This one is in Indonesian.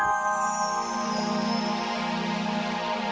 gak ada apa apa